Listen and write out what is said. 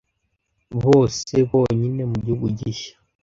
bose bonyine mu gihugu gishya